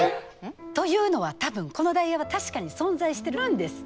というのは多分このダイヤは確かに存在してるんです。